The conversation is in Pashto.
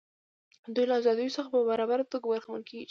دوی له ازادیو څخه په برابره توګه برخمن کیږي.